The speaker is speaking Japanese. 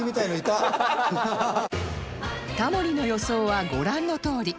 タモリの予想はご覧のとおり